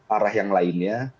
arah yang lainnya